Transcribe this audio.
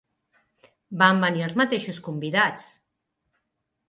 Van venir els mateixos convidats